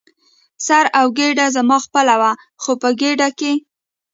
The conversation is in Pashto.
سر او ګېډه زما خپله وه، خو په ګېډه کې.